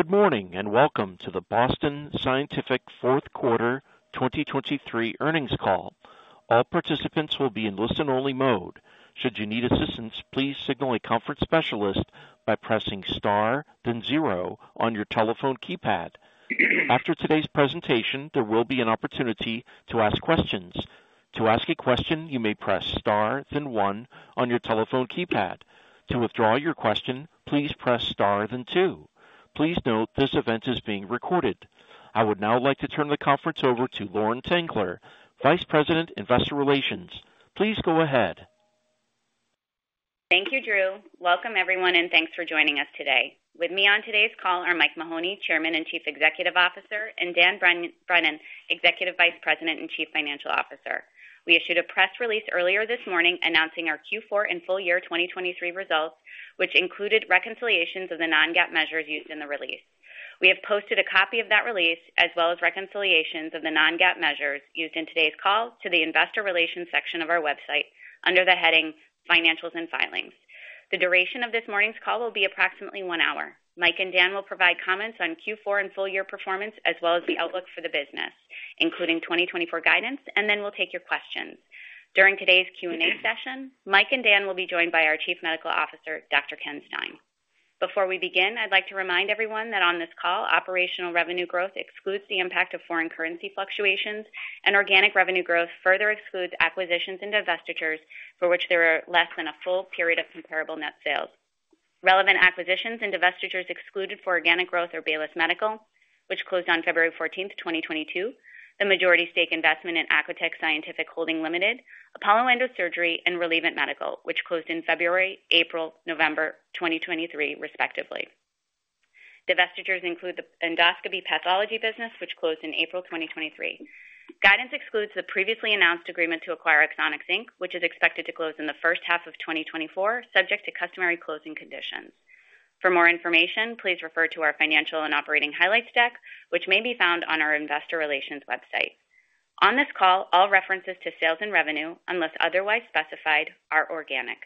Good morning, and welcome to the Boston Scientific fourth quarter 2023 earnings call. All participants will be in listen-only mode. Should you need assistance, please signal a conference specialist by pressing Star then zero on your telephone keypad. After today's presentation, there will be an opportunity to ask questions. To ask a question, you may press Star then one on your telephone keypad. To withdraw your question, please press Star then two. Please note, this event is being recorded. I would now like to turn the conference over to Lauren Tengler, Vice President, Investor Relations. Please go ahead. Thank you, Drew. Welcome, everyone, and thanks for joining us today. With me on today's call are Mike Mahoney, Chairman and Chief Executive Officer, and Dan Brennan, Executive Vice President and Chief Financial Officer. We issued a press release earlier this morning announcing our Q4 and full year 2023 results, which included reconciliations of the non-GAAP measures used in the release. We have posted a copy of that release, as well as reconciliations of the non-GAAP measures used in today's call to the Investor Relations section of our website under the heading Financials and Filings. The duration of this morning's call will be approximately one hour. Mike and Dan will provide comments on Q4 and full year performance, as well as the outlook for the business, including 2024 guidance, and then we'll take your questions. During today's Q&A session, Mike and Dan will be joined by our Chief Medical Officer, Dr. Ken Stein. Before we begin, I'd like to remind everyone that on this call, operational revenue growth excludes the impact of foreign currency fluctuations, and organic revenue growth further excludes acquisitions and divestitures for which there are less than a full period of comparable net sales. Relevant acquisitions and divestitures excluded for organic growth are Baylis Medical, which closed on February 14th, 2022, the majority stake investment in Acotec Scientific Holdings Limited, Apollo Endosurgery, and Relievant Medsystems, which closed in February, April, November 2023, respectively. Divestitures include the Endoscopy Pathology business, which closed in April 2023. Guidance excludes the previously announced agreement to acquire Axonics, Inc., which is expected to close in the first half of 2024, subject to customary closing conditions. For more information, please refer to our financial and operating highlights deck, which may be found on our investor relations website. On this call, all references to sales and revenue, unless otherwise specified, are organic.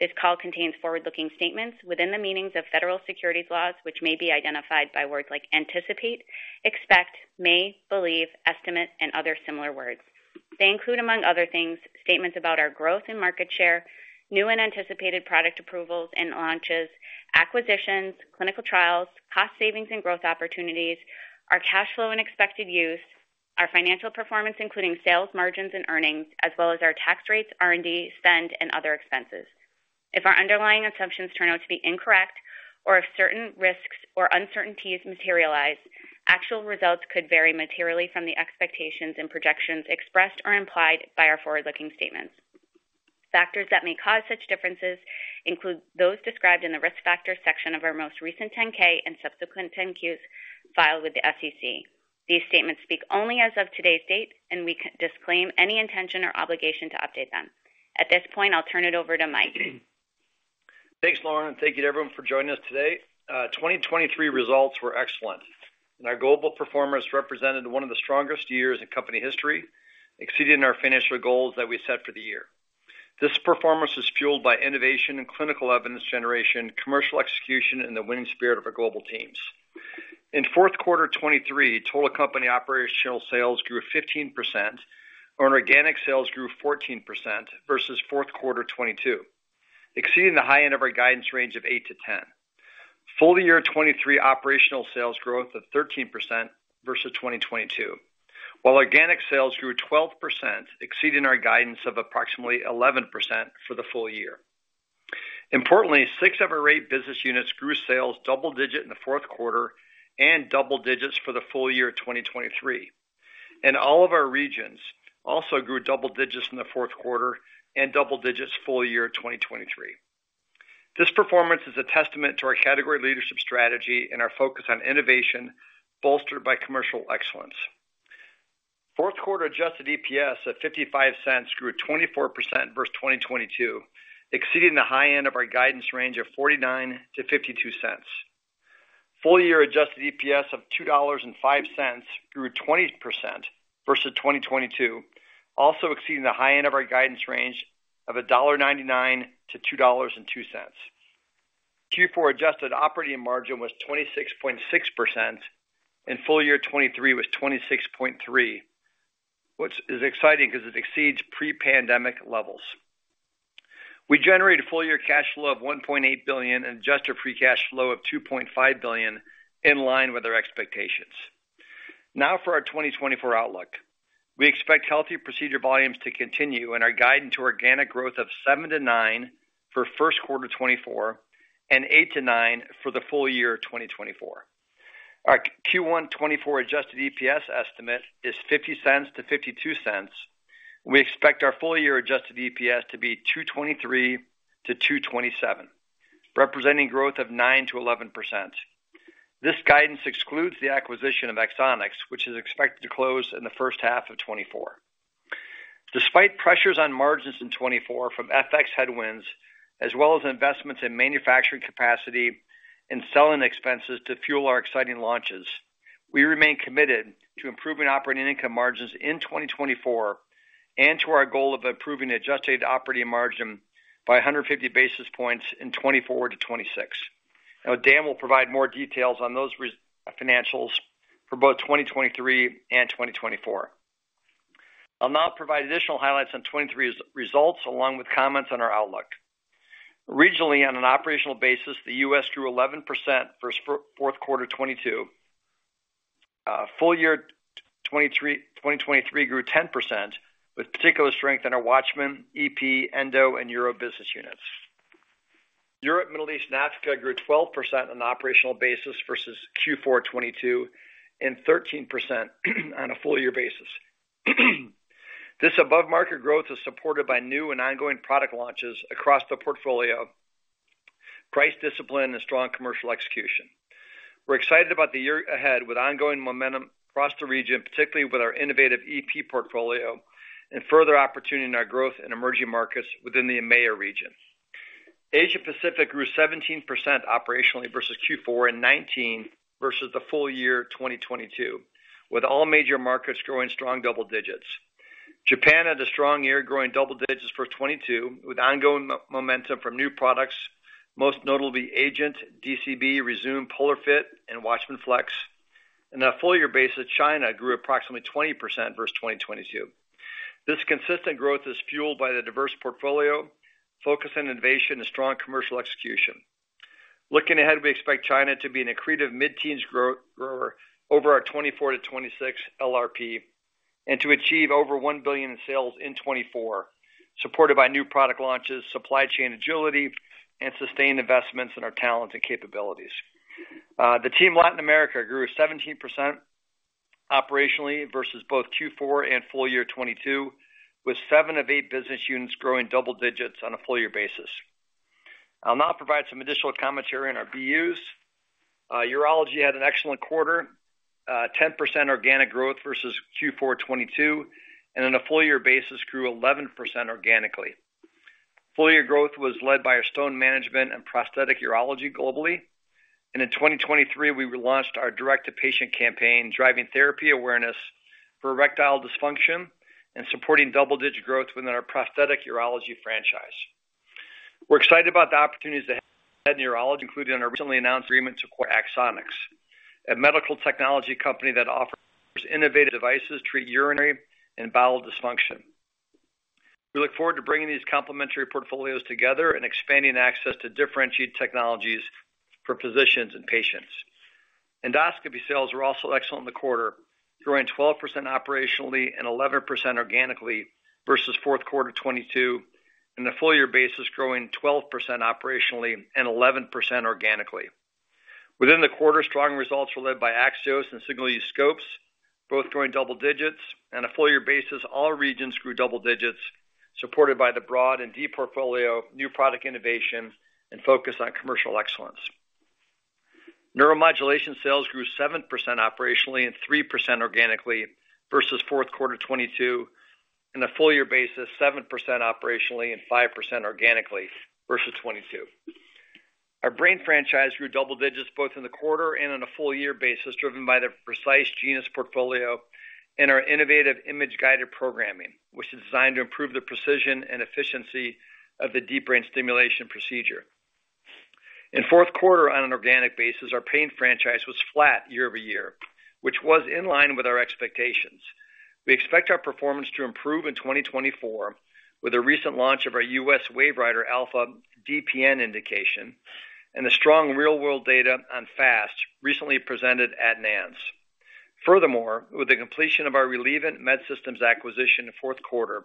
This call contains forward-looking statements within the meanings of federal securities laws, which may be identified by words like anticipate, expect, may, believe, estimate, and other similar words. They include, among other things, statements about our growth and market share, new and anticipated product approvals and launches, acquisitions, clinical trials, cost savings and growth opportunities, our cash flow and expected use, our financial performance, including sales, margins, and earnings, as well as our tax rates, R&D spend, and other expenses. If our underlying assumptions turn out to be incorrect, or if certain risks or uncertainties materialize, actual results could vary materially from the expectations and projections expressed or implied by our forward-looking statements. Factors that may cause such differences include those described in the Risk Factors section of our most recent 10-K and subsequent 10-Qs filed with the SEC. These statements speak only as of today's date, and we disclaim any intention or obligation to update them. At this point, I'll turn it over to Mike. Thanks, Lauren, and thank you to everyone for joining us today. 2023 results were excellent, and our global performance represented one of the strongest years in company history, exceeding our financial goals that we set for the year. This performance was fueled by innovation and clinical evidence generation, commercial execution, and the winning spirit of our global teams. In fourth quarter 2023, total company operational sales grew 15%, on organic sales grew 14% versus fourth quarter 2022, exceeding the high end of our guidance range of 8%-10%. Full year 2023 operational sales growth of 13% versus 2022, while organic sales grew 12%, exceeding our guidance of approximately 11% for the full year. Importantly, six of our eight business units grew sales double digit in the fourth quarter and double digits for the full year 2023. All of our regions also grew double digits in the fourth quarter and double digits full year 2023. This performance is a testament to our category leadership strategy and our focus on innovation, bolstered by commercial excellence. Fourth quarter adjusted EPS at $0.55, grew 24% versus 2022, exceeding the high end of our guidance range of $0.49-$0.52. Full year adjusted EPS of $2.05 grew 20% versus 2022, also exceeding the high end of our guidance range of $1.99-$2.02. Q4 adjusted operating margin was 26.6%, and full year 2023 was 26.3%. Which is exciting because it exceeds pre-pandemic levels. We generated a full year cash flow of $1.8 billion and adjusted free cash flow of $2.5 billion, in line with our expectations. Now for our 2024 outlook. We expect healthy procedure volumes to continue and our guidance to organic growth of 7%-9% for first quarter 2024 and 8%-9% for the full year 2024. Our Q1 2024 adjusted EPS estimate is $0.50-$0.52. We expect our full year adjusted EPS to be $2.23-$2.27, representing growth of 9%-11%. This guidance excludes the acquisition of Axonics, which is expected to close in the first half of 2024. Despite pressures on margins in 2024 from FX headwinds, as well as investments in manufacturing capacity and selling expenses to fuel our exciting launches... We remain committed to improving operating income margins in 2024 and to our goal of improving the adjusted operating margin by 150 basis points in 2024-2026. Now, Dan will provide more details on those our financials for both 2023 and 2024. I'll now provide additional highlights on 2023's results, along with comments on our outlook. Regionally, on an operational basis, the US grew 11% versus fourth quarter 2022. Full year 2023, 2023 grew 10%, with particular strength in our WATCHMAN, Electrophysiology, Endoscopy, and Urology business units. Europe, Middle East, and Africa grew 12% on an operational basis versus Q4 2022, and 13% on a full year basis. This above-market growth is supported by new and ongoing product launches across the portfolio, price discipline, and strong commercial execution. We're excited about the year ahead, with ongoing momentum across the region, particularly with our innovative EP portfolio, and further opportunity in our growth in emerging markets within the EMEA region. Asia Pacific grew 17% operationally versus Q4 and 19% versus the full year 2022, with all major markets growing strong double digits. Japan had a strong year, growing double digits for 2022, with ongoing momentum from new products, most notably AGENT DCB, Rezūm, POLARx FIT, and WATCHMAN FLX. On a full year basis, China grew approximately 20% versus 2022. This consistent growth is fueled by the diverse portfolio, focus on innovation, and strong commercial execution. Looking ahead, we expect China to be an accretive mid-teens grower over our 2024-2026 LRP, and to achieve over $1 billion in sales in 2024, supported by new product launches, supply chain agility, and sustained investments in our talent and capabilities. The team Latin America grew 17% operationally versus both Q4 and full year 2022, with 7 of 8 business units growing double digits on a full year basis. I'll now provide some additional commentary on our BUs. Urology had an excellent quarter, 10% organic growth versus Q4 2022, and on a full year basis, grew 11% organically. Full year growth was led by our stone management and prosthetic Urology globally, and in 2023, we relaunched our direct-to-patient campaign, driving therapy awareness for erectile dysfunction and supporting double-digit growth within our prosthetic Urology franchise. We're excited about the opportunities ahead in Urology, including our recently announced agreement to acquire Axonics, a medical technology company that offers innovative devices to treat urinary and bowel dysfunction. We look forward to bringing these complementary portfolios together and expanding access to differentiated technologies for physicians and patients. Endoscopy sales were also excellent in the quarter, growing 12% operationally and 11% organically versus fourth quarter 2022, and the full year basis growing 12% operationally and 11% organically. Within the quarter, strong results were led by AXIOS and single-use scopes, both growing double digits. On a full year basis, all regions grew double digits, supported by the broad and deep portfolio, new product innovation, and focus on commercial excellence. Neuromodulation sales grew 7% operationally and 3% organically versus fourth quarter 2022. On a full year basis, 7% operationally and 5% organically versus 2022. Our brain franchise grew double digits, both in the quarter and on a full year basis, driven by the Vercise Genus portfolio and our innovative image-guided programming, which is designed to improve the precision and efficiency of the deep brain stimulation procedure. In fourth quarter, on an organic basis, our pain franchise was flat year-over-year, which was in line with our expectations. We expect our performance to improve in 2024, with the recent launch of our U.S. WaveWriter Alpha DPN indication and the strong real-world data on FAST, recently presented at NANS. Furthermore, with the completion of our Relievant Medsystems acquisition in fourth quarter,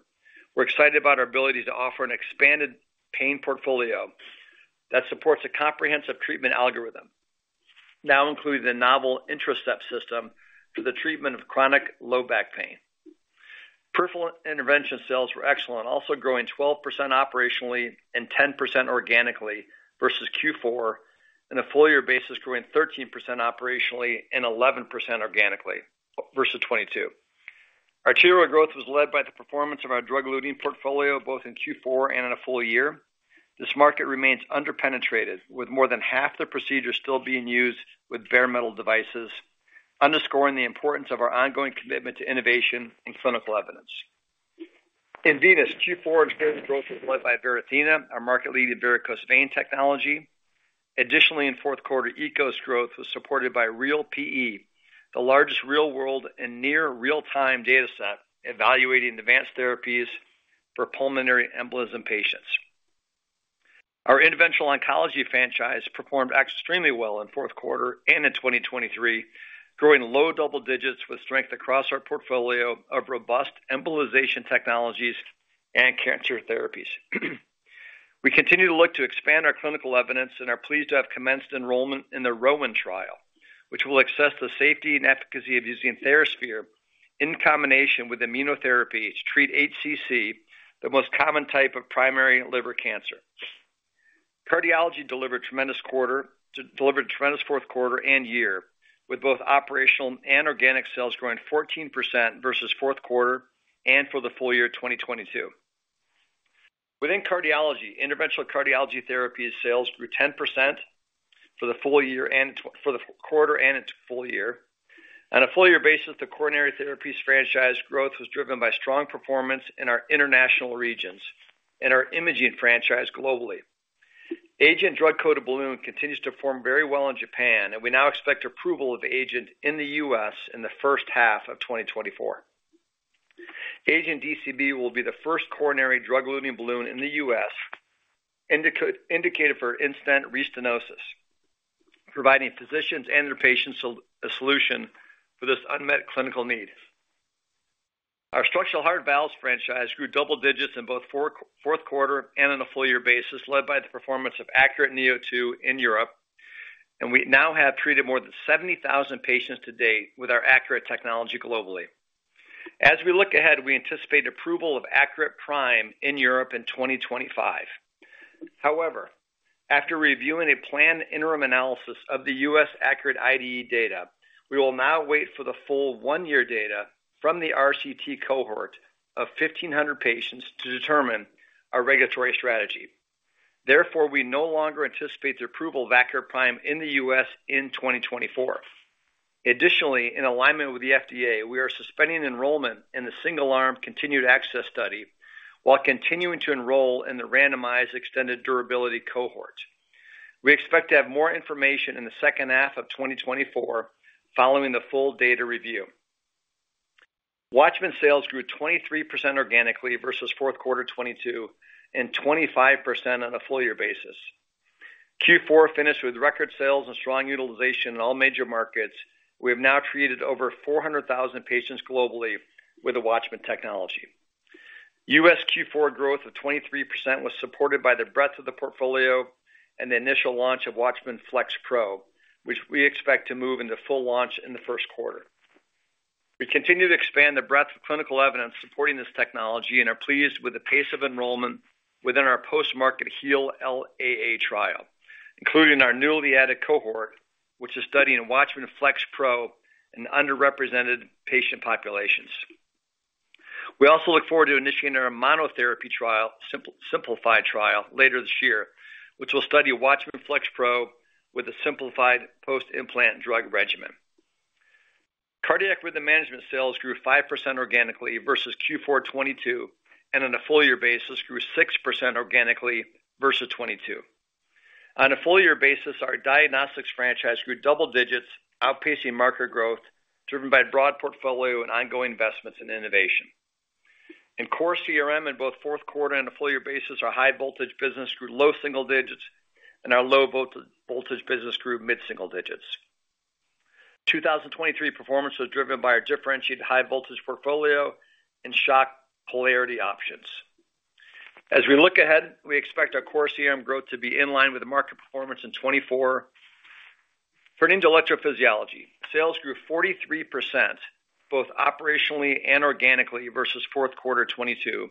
we're excited about our ability to offer an expanded pain portfolio that supports a comprehensive treatment algorithm, now including the novel Intracept system for the treatment of chronic low back pain. Peripheral Interventions sales were excellent, also growing 12% operationally and 10% organically versus Q4, and on a full year basis, growing 13% operationally and 11% organically versus 2022. Arterial growth was led by the performance of our drug-eluting portfolio, both in Q4 and in a full year. This market remains underpenetrated, with more than half the procedures still being used with bare metal devices, underscoring the importance of our ongoing commitment to innovation and clinical evidence. In venous, Q4 arterial growth was led by Varithena, our market-leading varicose vein technology. Additionally, in fourth quarter, EKOS growth was supported by REAL-PE, the largest real-world and near real-time data set evaluating advanced therapies for pulmonary embolism patients. Our Interventional Oncology franchise performed extremely well in fourth quarter and in 2023, growing low double digits with strength across our portfolio of robust embolization technologies and cancer therapies. We continue to look to expand our clinical evidence and are pleased to have commenced enrollment in the ROWAN trial, which will assess the safety and efficacy of using TheraSphere in combination with immunotherapy to treat HCC, the most common type of primary liver cancer. Cardiology delivered tremendous fourth quarter and year, with both operational and organic sales growing 14% versus fourth quarter and for the full year 2022. Within cardiology, Interventional Cardiology Therapies sales grew 10% for the full year and for the quarter and its full year. On a full year basis, the coronary therapies franchise growth was driven by strong performance in our international regions and our imaging franchise globally. AGENT drug-coated balloon continues to perform very well in Japan, and we now expect approval of AGENT in the U.S. in the first half of 2024. AGENT DCB will be the first coronary drug balloon in the U.S., indicated for in-stent restenosis, providing physicians and their patients a solution for this unmet clinical need. Our structural heart valves franchise grew double digits in both fourth quarter and on a full year basis, led by the performance of ACURATE neo2 in Europe, and we now have treated more than 70,000 patients to date with our ACURATE technology globally. As we look ahead, we anticipate approval of ACURATE Prime in Europe in 2025. However, after reviewing a planned interim analysis of the U.S. ACURATE IDE data, we will now wait for the full one-year data from the RCT cohort of 1,500 patients to determine our regulatory strategy. Therefore, we no longer anticipate the approval of ACURATE Prime in the U.S. in 2024. Additionally, in alignment with the FDA, we are suspending enrollment in the single-arm continued access study while continuing to enroll in the randomized extended durability cohort. We expect to have more information in the second half of 2024 following the full data review. WATCHMAN sales grew 23% organically versus fourth quarter 2022, and 25% on a full year basis. Q4 finished with record sales and strong utilization in all major markets. We have now treated over 400,000 patients globally with the WATCHMAN technology. US Q4 growth of 23% was supported by the breadth of the portfolio and the initial launch of WATCHMAN FLX Pro, which we expect to move into full launch in the first quarter. We continue to expand the breadth of clinical evidence supporting this technology and are pleased with the pace of enrollment within our post-market HEAL-LAA trial, including our newly added cohort, which is studying WATCHMAN FLX Pro in underrepresented patient populations. We also look forward to initiating our monotherapy trial, SIMPLAAFY trial, later this year, which will study WATCHMAN FLX Pro with a SIMPLAAFY post-implant drug regimen. Cardiac Rhythm Management sales grew 5% organically versus Q4 2022, and on a full year basis, grew 6% organically versus 2022. On a full year basis, our diagnostics franchise grew double digits, outpacing market growth, driven by a broad portfolio and ongoing investments in innovation. In core CRM, in both fourth quarter and a full year basis, our high voltage business grew low single digits, and our low voltage business grew mid single digits. 2023 performance was driven by our differentiated high voltage portfolio and shock polarity options. As we look ahead, we expect our core CRM growth to be in line with the market performance in 2024. Turning to Electrophysiology, sales grew 43%, both operationally and organically, versus fourth quarter 2022,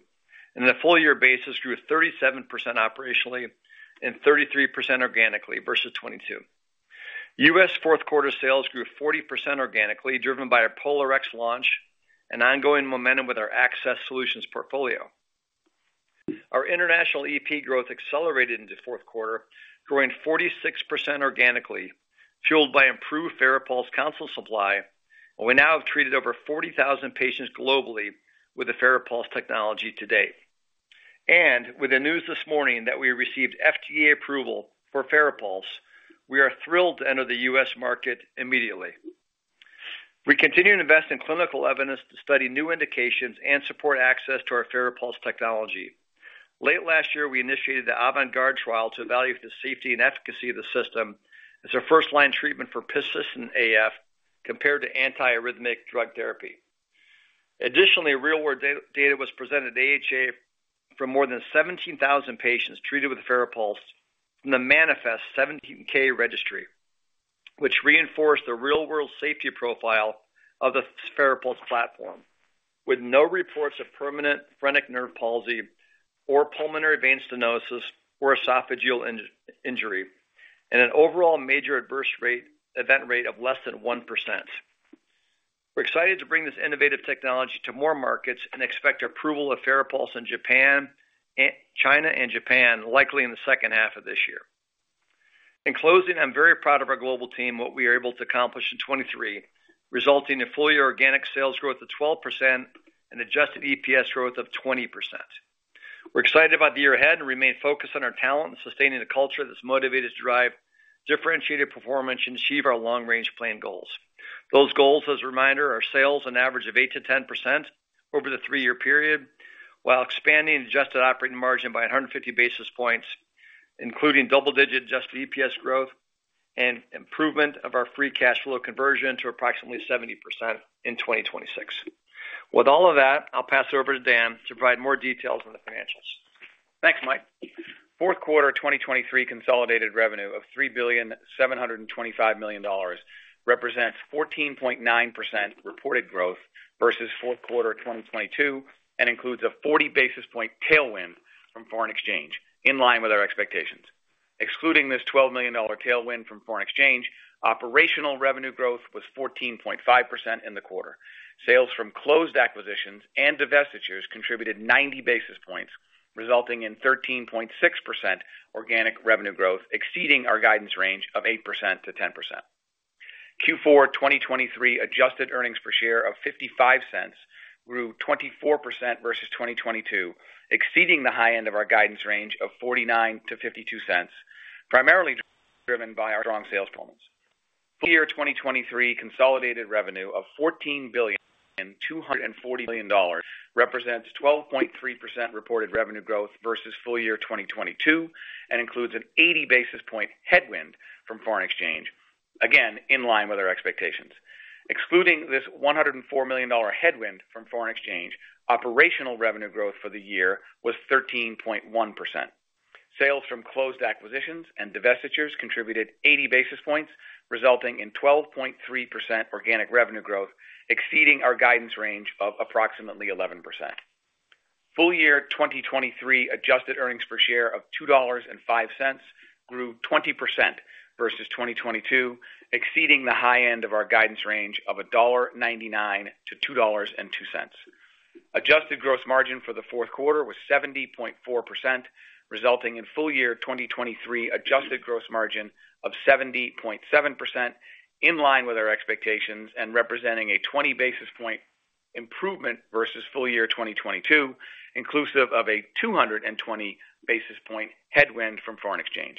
and the full year basis grew 37% operationally and 33% organically versus 2022. US fourth quarter sales grew 40% organically, driven by our POLARx launch and ongoing momentum with our access solutions portfolio. Our international EP growth accelerated into fourth quarter, growing 46% organically, fueled by improved FARAPULSE console supply, and we now have treated over 40,000 patients globally with the FARAPULSE technology to date. With the news this morning that we received FDA approval for FARAPULSE, we are thrilled to enter the US market immediately. We continue to invest in clinical evidence to study new indications and support access to our FARAPULSE technology. Late last year, we initiated the AVANT GUARD trial to evaluate the safety and efficacy of the system as a first-line treatment for persistent AF compared to antiarrhythmic drug therapy. Additionally, real-world data was presented at AHA from more than 17,000 patients treated with FARAPULSE from the MANIFEST-17K registry, which reinforced the real-world safety profile of the FARAPULSE platform, with no reports of permanent phrenic nerve palsy or pulmonary vein stenosis or esophageal injury, and an overall major adverse event rate of less than 1%. We're excited to bring this innovative technology to more markets and expect approval of FARAPULSE in Japan, China and Japan, likely in the second half of this year. In closing, I'm very proud of our global team, what we are able to accomplish in 2023, resulting in full year organic sales growth of 12% and adjusted EPS growth of 20%. We're excited about the year ahead and remain focused on our talent and sustaining a culture that's motivated to drive differentiated performance and achieve our long-range plan goals. Those goals, as a reminder, are sales an average of 8%-10% over the three-year period, while expanding adjusted operating margin by 150 basis points, including double-digit adjusted EPS growth and improvement of our free cash flow conversion to approximately 70% in 2026. With all of that, I'll pass it over to Dan to provide more details on the financials. Thanks, Mike. Fourth quarter 2023 consolidated revenue of $3.725 billion represents 14.9% reported growth versus fourth quarter 2022, and includes a 40 basis points tailwind from foreign exchange, in line with our expectations. Excluding this $12 million tailwind from foreign exchange, operational revenue growth was 14.5% in the quarter. Sales from closed acquisitions and divestitures contributed 90 basis points, resulting in 13.6% organic revenue growth, exceeding our guidance range of 8%-10%. Q4 2023 adjusted earnings per share of $0.55 grew 24% versus 2022, exceeding the high end of our guidance range of $0.49-$0.52, primarily driven by our strong sales performance. Full-year 2023 consolidated revenue of $14.24 billion represents 12.3% reported revenue growth versus full-year 2022, and includes an 80 basis point headwind from foreign exchange. Again, in line with our expectations. Excluding this $104 million headwind from foreign exchange, operational revenue growth for the year was 13.1%. Sales from closed acquisitions and divestitures contributed 80 basis points, resulting in 12.3% organic revenue growth, exceeding our guidance range of approximately 11%. Full-year 2023 adjusted earnings per share of $2.05 grew 20% versus 2022, exceeding the high end of our guidance range of $1.99-$2.02. Adjusted gross margin for the fourth quarter was 70.4%, resulting in full year 2023 adjusted gross margin of 70.7%, in line with our expectations and representing a 20 basis point improvement versus full year 2022, inclusive of a 220 basis point headwind from foreign exchange.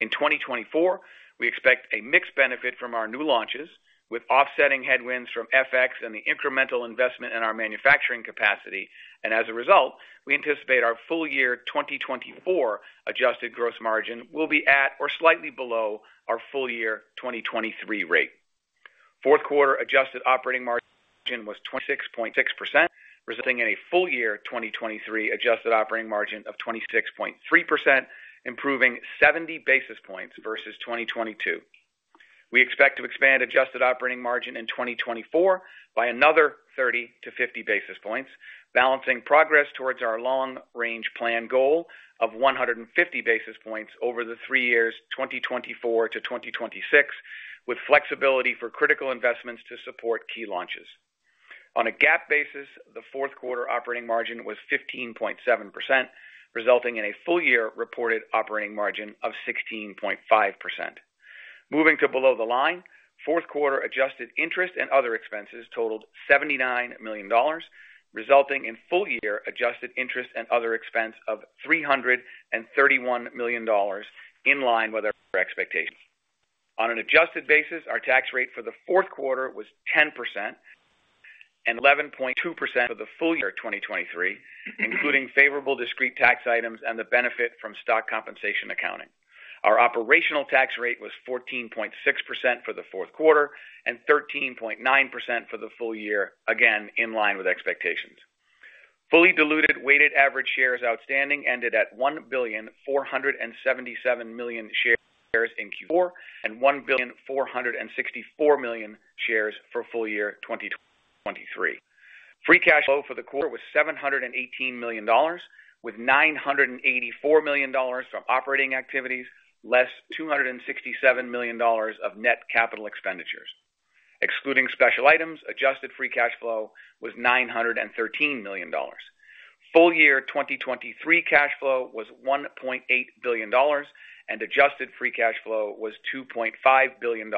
In 2024, we expect a mixed benefit from our new launches, with offsetting headwinds from FX and the incremental investment in our manufacturing capacity, and as a result, we anticipate our full year 2024 adjusted gross margin will be at or slightly below our full year 2023 rate. Fourth quarter adjusted operating margin was 26.6%, resulting in a full year 2023 adjusted operating margin of 26.3%, improving 70 basis points versus 2022. We expect to expand adjusted operating margin in 2024 by another 30-50 basis points, balancing progress towards our long-range plan goal of 150 basis points over the three years, 2024-2026, with flexibility for critical investments to support key launches. On a GAAP basis, the fourth quarter operating margin was 15.7%, resulting in a full year reported operating margin of 16.5%. Moving to below the line, fourth quarter adjusted interest and other expenses totaled $79 million, resulting in full year adjusted interest and other expense of $331 million, in line with our expectations. On an adjusted basis, our tax rate for the fourth quarter was 10% and 11.2% for the full year 2023, including favorable discrete tax items and the benefit from stock compensation accounting. Our operational tax rate was 14.6% for the fourth quarter and 13.9% for the full year. Again, in line with expectations. Fully diluted weighted average shares outstanding ended at 1,477 million shares in Q4 and 1,464 million shares for full year 2023. Free cash flow for the quarter was $718 million, with $984 million from operating activities, less $267 million of net capital expenditures. Excluding special items, adjusted free cash flow was $913 million. Full year 2023 cash flow was $1.8 billion, and adjusted free cash flow was $2.5 billion,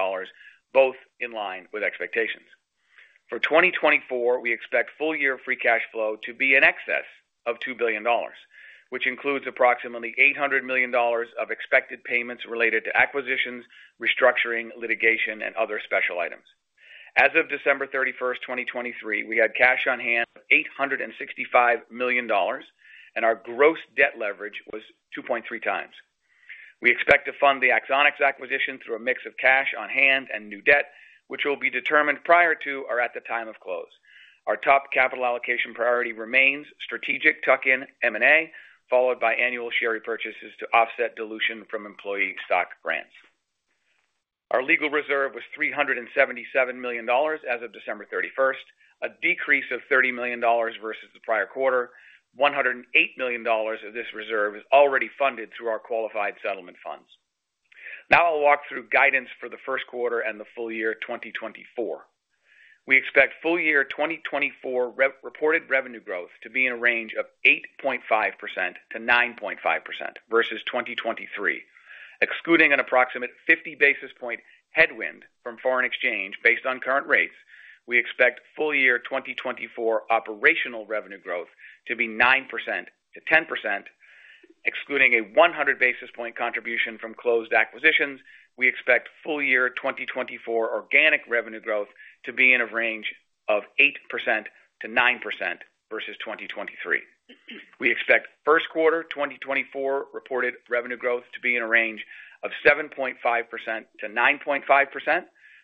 both in line with expectations. For 2024, we expect full year free cash flow to be in excess of $2 billion, which includes approximately $800 million of expected payments related to acquisitions, restructuring, litigation, and other special items. As of December 31st, 2023, we had cash on hand of $865 million, and our gross debt leverage was 2.3x. We expect to fund the Axonics acquisition through a mix of cash on hand and new debt, which will be determined prior to or at the time of close. Our top capital allocation priority remains strategic tuck-in M&A, followed by annual share repurchases to offset dilution from employee stock grants. Our legal reserve was $377 million as of December 31st, a decrease of $30 million versus the prior quarter. $108 million of this reserve is already funded through our qualified settlement funds. Now I'll walk through guidance for the first quarter and the full year 2024. We expect full year 2024 reported revenue growth to be in a range of 8.5%-9.5% versus 2023. Excluding an approximate 50 basis point headwind from foreign exchange based on current rates, we expect full year 2024 operational revenue growth to be 9%-10%. Excluding a 100 basis point contribution from closed acquisitions, we expect full year 2024 organic revenue growth to be in a range of 8%-9% versus 2023. We expect first quarter 2024 reported revenue growth to be in a range of 7.5%-9.5%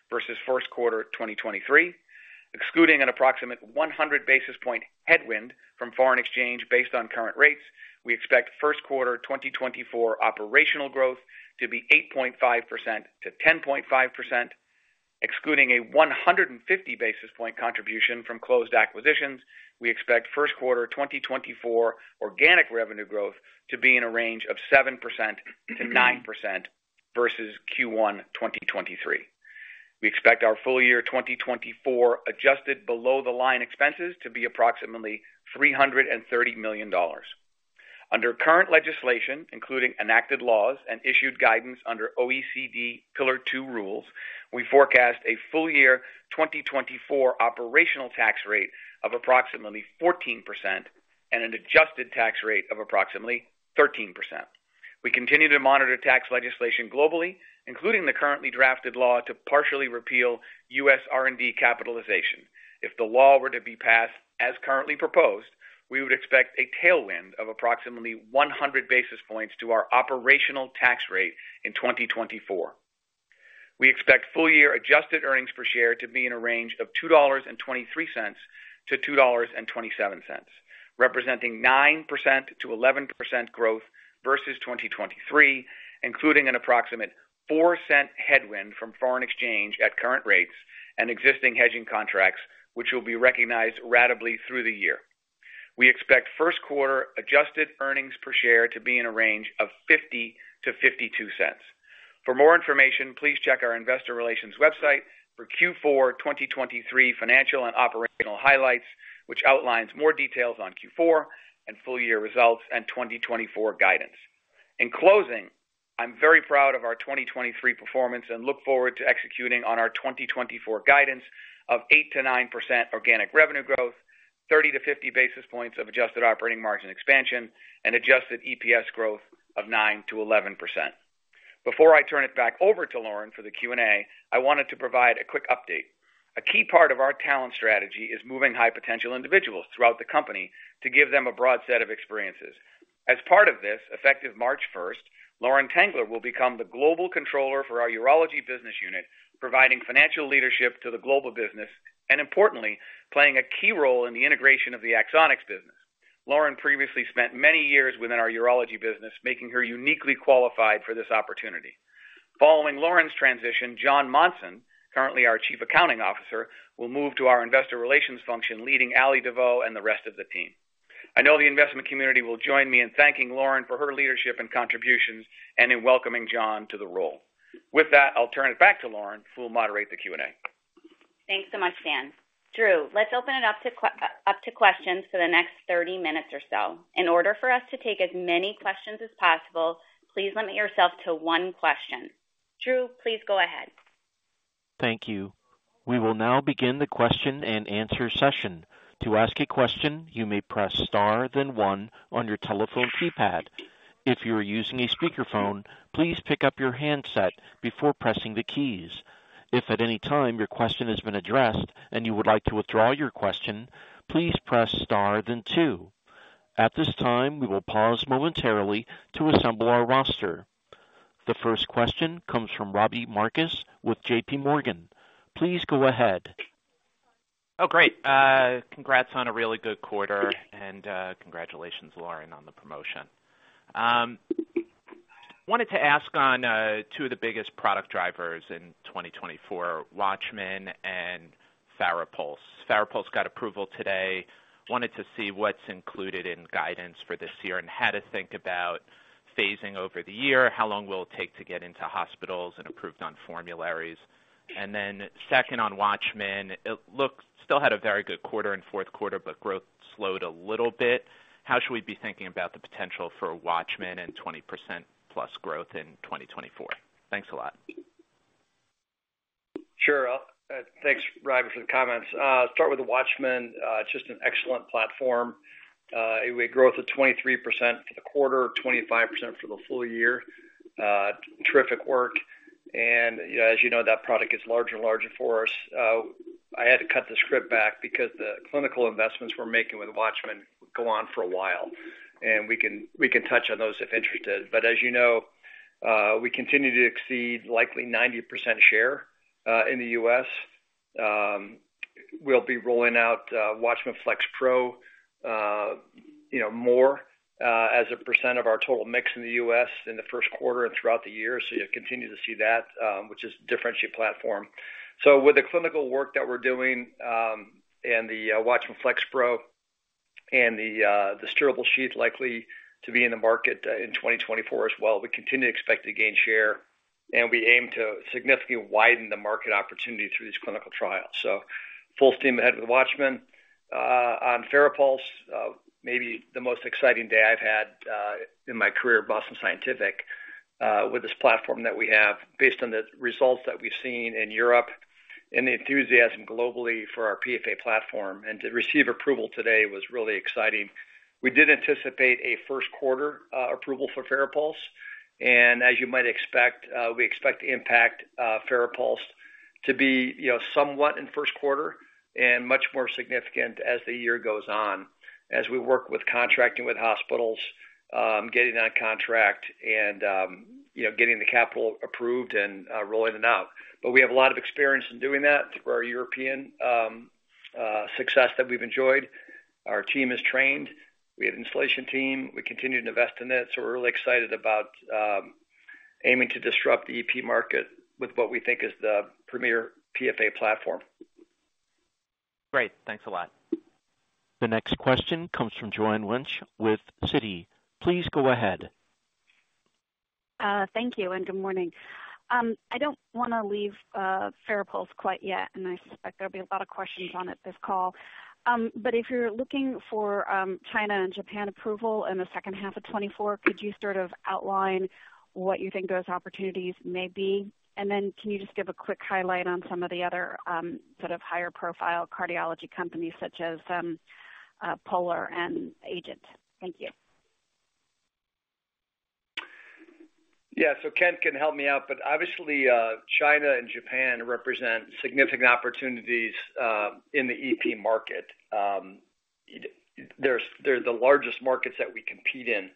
versus first quarter 2023. Excluding an approximate 100 basis point headwind from foreign exchange based on current rates, we expect first quarter 2024 operational growth to be 8.5%-10.5%.... excluding a 150 basis point contribution from closed acquisitions, we expect first quarter 2024 organic revenue growth to be in a range of 7%-9% versus Q1 2023. We expect our full year 2024 adjusted below-the-line expenses to be approximately $330 million. Under current legislation, including enacted laws and issued guidance under OECD Pillar Two rules, we forecast a full year 2024 operational tax rate of approximately 14% and an adjusted tax rate of approximately 13%. We continue to monitor tax legislation globally, including the currently drafted law, to partially repeal U.S. R&D capitalization. If the law were to be passed as currently proposed, we would expect a tailwind of approximately 100 basis points to our operational tax rate in 2024. We expect full year adjusted earnings per share to be in a range of $2.23-$2.27, representing 9%-11% growth versus 2023, including an approximate $0.04 headwind from foreign exchange at current rates and existing hedging contracts, which will be recognized ratably through the year. We expect first quarter adjusted earnings per share to be in a range of $0.50-$0.52. For more information, please check our investor relations website for Q4 2023 financial and operational highlights, which outlines more details on Q4 and full year results and 2024 guidance. In closing, I'm very proud of our 2023 performance and look forward to executing on our 2024 guidance of 8%-9% organic revenue growth, 30-50 basis points of adjusted operating margin expansion and adjusted EPS growth of 9%-11%. Before I turn it back over to Lauren for the Q&A, I wanted to provide a quick update. A key part of our talent strategy is moving high potential individuals throughout the company to give them a broad set of experiences. As part of this, effective March 1st, Lauren Tengler will become the Global Controller for our Urology business unit, providing financial leadership to the global business and importantly, playing a key role in the integration of the Axonics business. Lauren previously spent many years within our Urology business, making her uniquely qualified for this opportunity. Following Lauren's transition, Jon Monson, currently our Chief Accounting Officer, will move to our investor relations function, leading Allie DeVeaux and the rest of the team. I know the investment community will join me in thanking Lauren for her leadership and contributions and in welcoming Jon to the role. With that, I'll turn it back to Lauren, who will moderate the Q&A. Thanks so much, Dan. Drew, let's open it up to up to questions for the next 30 minutes or so. In order for us to take as many questions as possible, please limit yourself to one question. Drew, please go ahead. Thank you. We will now begin the question and answer session. To ask a question, you may press Star, then one on your telephone keypad. If you are using a speakerphone, please pick up your handset before pressing the keys. If at any time your question has been addressed and you would like to withdraw your question, please press Star, then two. At this time, we will pause momentarily to assemble our roster. The first question comes from Robbie Marcus with JPMorgan. Please go ahead. Oh, great. Congrats on a really good quarter, and congratulations, Lauren, on the promotion. Wanted to ask on two of the biggest product drivers in 2024, WATCHMAN and FARAPULSE. FARAPULSE got approval today. Wanted to see what's included in guidance for this year and how to think about phasing over the year. How long will it take to get into hospitals and approved on formularies? And then second, on WATCHMAN, still had a very good quarter in fourth quarter, but growth slowed a little bit. How should we be thinking about the potential for WATCHMAN and 20%+ growth in 2024? Thanks a lot. Sure. Thanks, Robbie, for the comments. Start with the WATCHMAN. It's just an excellent platform. It had growth of 23% for the quarter, 25% for the full year. Terrific work. As you know, that product gets larger and larger for us. I had to cut the script back because the clinical investments we're making with WATCHMAN go on for a while, and we can touch on those if interested. But as you know, we continue to exceed likely 90% share in the US. We'll be rolling out WATCHMAN FLX Pro, you know, more as a percent of our total mix in the US in the first quarter and throughout the year. So you'll continue to see that, which is differentiated platform. So with the clinical work that we're doing, and the WATCHMAN FLX Pro and the steerable sheath likely to be in the market in 2024 as well, we continue to expect to gain share, and we aim to significantly widen the market opportunity through these clinical trials. So full steam ahead with WATCHMAN. On FARAPULSE, maybe the most exciting day I've had in my career at Boston Scientific, with this platform that we have, based on the results that we've seen in Europe and the enthusiasm globally for our PFA platform, and to receive approval today was really exciting. We did anticipate a first quarter approval for FARAPULSE, and as you might expect, we expect the impact FARAPULSE to be, you know, somewhat in first quarter and much more significant as the year goes on, as we work with contracting with hospitals, getting on contract and, you know, getting the capital approved and rolling it out. But we have a lot of experience in doing that for our European success that we've enjoyed. ...Our team is trained. We have an installation team. We continue to invest in it, so we're really excited about aiming to disrupt the EP market with what we think is the premier PFA platform. Great. Thanks a lot. The next question comes from Joanne Wuensch with Citi. Please go ahead. Thank you, and good morning. I don't wanna leave FARAPULSE quite yet, and I suspect there'll be a lot of questions on it this call. But if you're looking for China and Japan approval in the second half of 2024, could you sort of outline what you think those opportunities may be? And then can you just give a quick highlight on some of the other sort of higher profile cardiology companies such as POLARx and AGENT? Thank you. Yeah, so Ken can help me out, but obviously, China and Japan represent significant opportunities in the EP market. They're the largest markets that we compete in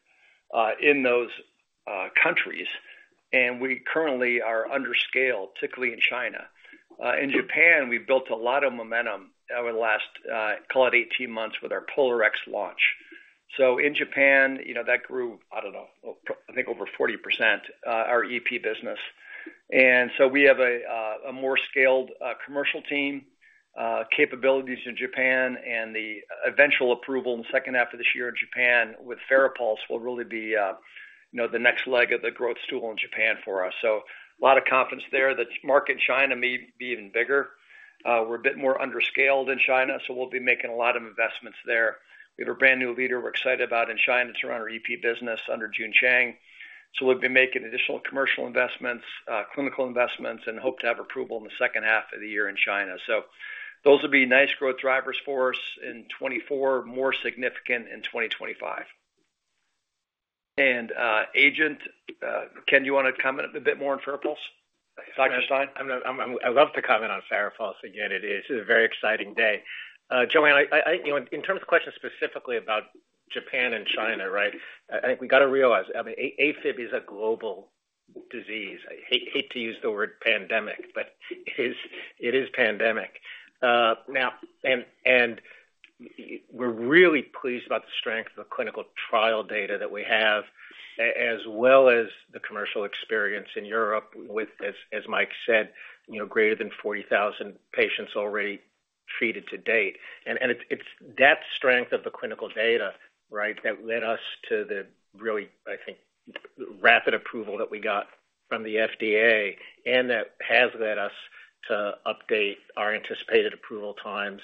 in those countries, and we currently are under scale, particularly in China. In Japan, we've built a lot of momentum over the last call it 18 months, with our POLARx launch. So in Japan, you know, that grew, I don't know, I think over 40% our EP business. And so we have a more scaled commercial team capabilities in Japan, and the eventual approval in the second half of this year in Japan with FARAPULSE will really be, you know, the next leg of the growth stool in Japan for us. So a lot of confidence there. The market in China may be even bigger. We're a bit more underscaled in China, so we'll be making a lot of investments there. We have a brand new leader we're excited about in China to run our EP business under June Chang. So we'll be making additional commercial investments, clinical investments, and hope to have approval in the second half of the year in China. So those will be nice growth drivers for us in 2024, more significant in 2025. Ken, do you want to comment a bit more on FARAPULSE? Dr. Stein, I'm... I'd love to comment on FARAPULSE again. It is a very exciting day. Joanne, you know, in terms of questions specifically about Japan and China, right? I think we got to realize, I mean, Afib is a global disease. I hate, hate to use the word pandemic, but it is, it is pandemic. Now, and we're really pleased about the strength of the clinical trial data that we have, as well as the commercial experience in Europe with, as Mike said, you know, greater than 40,000 patients already treated to date. And it's that strength of the clinical data, right, that led us to the really, I think, rapid approval that we got from the FDA, and that has led us to update our anticipated approval times,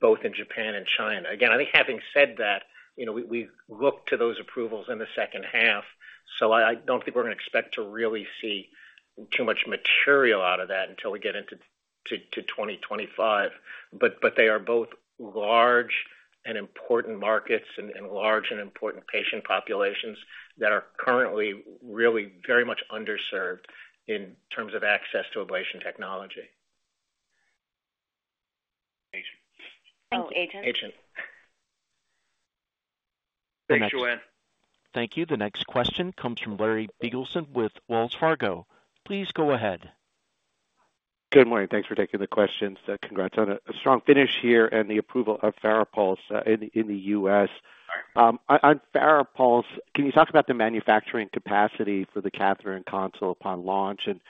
both in Japan and China. Again, I think having said that, you know, we look to those approvals in the second half, so I don't think we're going to expect to really see too much material out of that until we get into 2025. But they are both large and important markets and large and important patient populations that are currently really very much underserved in terms of access to ablation technology. AGENT. Oh, AGENT. AGENT. Thanks, Joanne. Thank you. The next question comes from Larry Biegelsen with Wells Fargo. Please go ahead. Good morning. Thanks for taking the questions. Congrats on a strong finish here and the approval of FARAPULSE in the US. On FARAPULSE, can you talk about the manufacturing capacity for the catheter and console upon launch and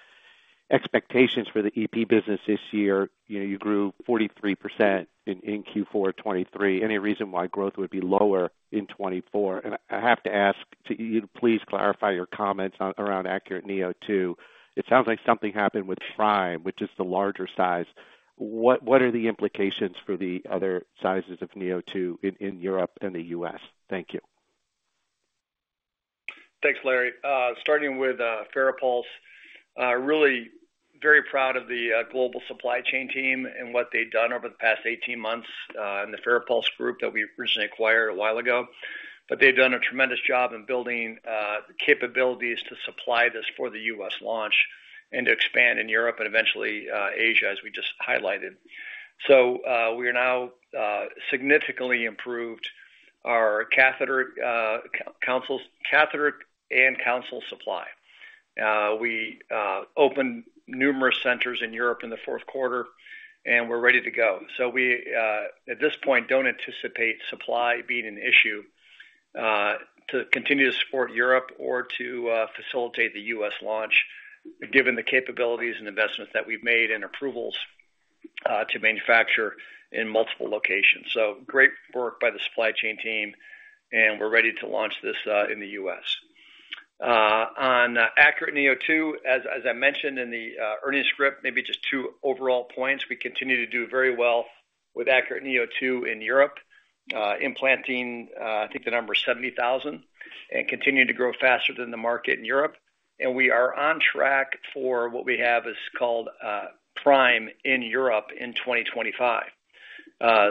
expectations for the EP business this year? You know, you grew 43% in Q4 2023. Any reason why growth would be lower in 2024? And I have to ask, can you please clarify your comments around ACURATE neo2? It sounds like something happened with Prime, which is the larger size. What are the implications for the other sizes of neo2 in Europe and the US? Thank you. Thanks, Larry. Starting with FARAPULSE, really very proud of the global supply chain team and what they've done over the past 18 months, and the FARAPULSE group that we originally acquired a while ago. But they've done a tremendous job in building capabilities to supply this for the U.S. launch and to expand in Europe and eventually Asia, as we just highlighted. So, we are now significantly improved our catheter consoles, catheter and console supply. We opened numerous centers in Europe in the fourth quarter, and we're ready to go. So at this point, don't anticipate supply being an issue to continue to support Europe or to facilitate the U.S. launch, given the capabilities and investments that we've made and approvals to manufacture in multiple locations. Great work by the supply chain team, and we're ready to launch this in the U.S. On ACURATE neo2, as I mentioned in the earnings script, maybe just two overall points. We continue to do very well with ACURATE neo2 in Europe, implanting I think the number is 70,000, and continuing to grow faster than the market in Europe. We are on track for what we have is called Prime in Europe in 2025.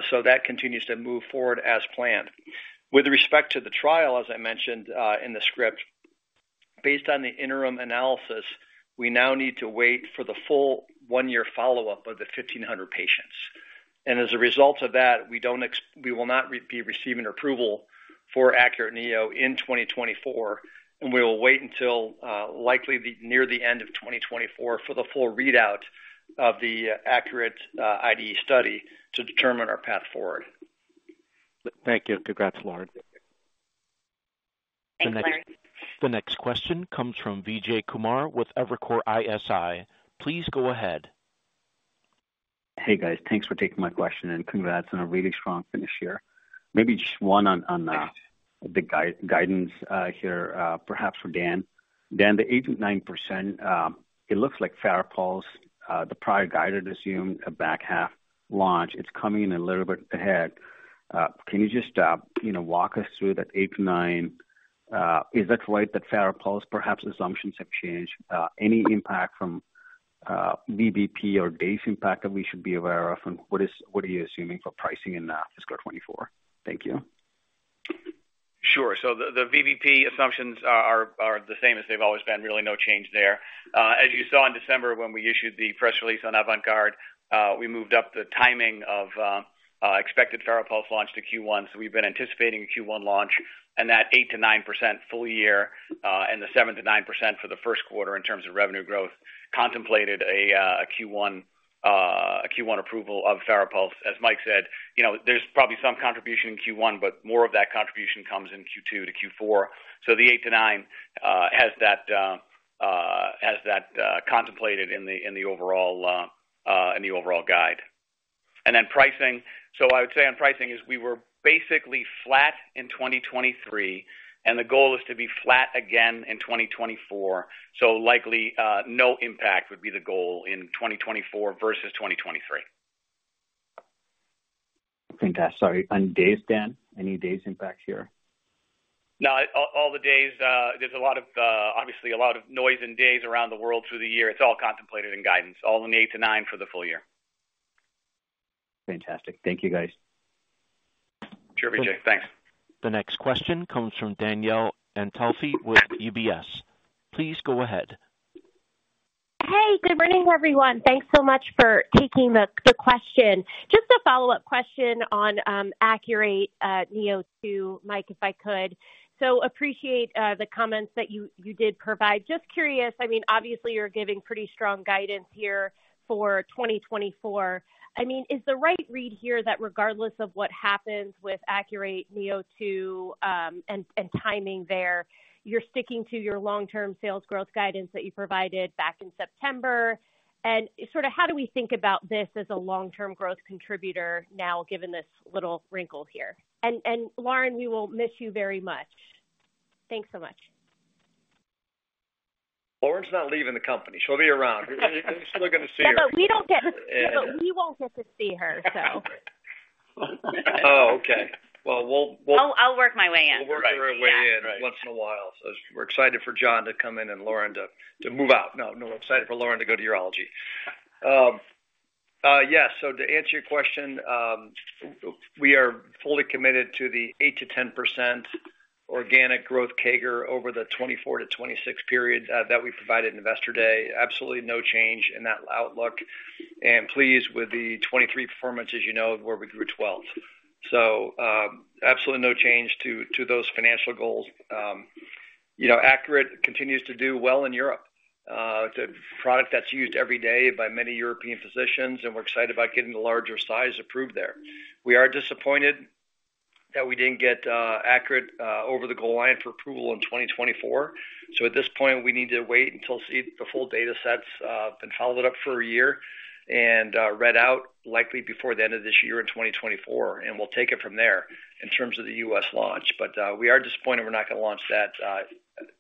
So that continues to move forward as planned. With respect to the trial, as I mentioned in the script, based on the interim analysis, we now need to wait for the full one-year follow-up of the 1,500 patients. And as a result of that, we don't ex... We will not be receiving approval for ACURATE neo2 in 2024, and we will wait until, likely near the end of 2024 for the full readout of the ACURATE IDE study to determine our path forward. Thank you. Congrats, Lauren.... The next question comes from Vijay Kumar with Evercore ISI. Please go ahead. Hey, guys. Thanks for taking my question and congrats on a really strong finish here. Maybe just one on the guidance here, perhaps for Dan. Dan, the 8%-9%, it looks like TheraSphere, the prior guided assumed a back half launch. It's coming in a little bit ahead. Can you just, you know, walk us through that 8%-9%? Is that right, that TheraSphere perhaps assumptions have changed? Any impact from VBP or base impact that we should be aware of? And what is-- what are you assuming for pricing in fiscal 2024? Thank you. Sure. So the VBP assumptions are the same as they've always been. Really no change there. As you saw in December, when we issued the press release on AVANT GUARD, we moved up the timing of expected TheraSphere launch to Q1. So we've been anticipating a Q1 launch, and that 8%-9% full year, and the 7%-9% for the first quarter in terms of revenue growth, contemplated a Q1 approval of TheraSphere. As Mike said, you know, there's probably some contribution in Q1, but more of that contribution comes in Q2 to Q4. So the 8%-9% has that contemplated in the overall guide. And then pricing. So I would say on pricing is we were basically flat in 2023, and the goal is to be flat again in 2024. So likely, no impact would be the goal in 2024 versus 2023. Fantastic. Sorry, on days, Dan, any days impact here? No, all the days, there's a lot of, obviously a lot of noise in days around the world through the year. It's all contemplated in guidance, all in the 8-9 for the full year. Fantastic. Thank you, guys. Sure, Vijay. Thanks. The next question comes from Danielle Antalffy with UBS. Please go ahead. Hey, good morning, everyone. Thanks so much for taking the question. Just a follow-up question on ACURATE neo2, Mike, if I could. So appreciate the comments that you did provide. Just curious, I mean, obviously you're giving pretty strong guidance here for 2024. I mean, is the right read here that regardless of what happens with ACURATE neo2 and timing there, you're sticking to your long-term sales growth guidance that you provided back in September? And sort of how do we think about this as a long-term growth contributor now, given this little wrinkle here? And Lauren, we will miss you very much. Thanks so much. Lauren's not leaving the company. She'll be around. You're still going to see her. But we don't get- Yeah. But we won't get to see her, so. Oh, okay. Well, we'll- I'll work my way in. We'll work our way in- Yeah. Once in a while. So we're excited for Jon to come in and Lauren to move out. No, no, we're excited for Lauren to go to Urology. Yes, so to answer your question, we are fully committed to the 8%-10% organic growth CAGR over the 2024-2026 period that we provided Investor Day. Absolutely no change in that outlook, and pleased with the 2023 performance, as you know, where we grew 12%. So, absolutely no change to those financial goals. You know, ACURATE continues to do well in Europe. It's a product that's used every day by many European physicians, and we're excited about getting the larger size approved there. We are disappointed that we didn't get ACURATE over the goal line for approval in 2024. So at this point, we need to wait until see the full data sets, been followed up for a year and, read out likely before the end of this year in 2024, and we'll take it from there in terms of the U.S. launch. But, we are disappointed we're not going to launch that,